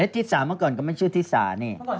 ธิสาเมื่อก่อนก็ไม่ชื่อธิสานี่